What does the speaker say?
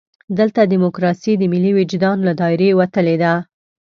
دلته ډیموکراسي د ملي وجدان له دایرې وتلې ده.